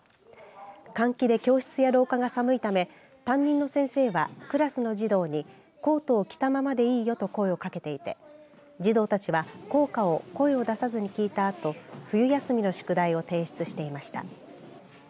換気で教室や廊下が寒いため担任の先生は、クラスの児童にコートを着たままでいいよと声をかけていて児童たちは校歌を声を出さずに聞いたあと冬休みの宿題を提出していました。